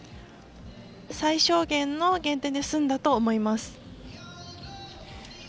最小限の減点で済んだと思います。